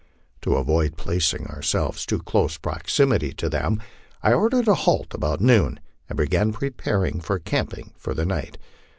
To avoid placing ourselves in too close proximity to them, I ordered a halt about noon, and began preparation for camping for the night.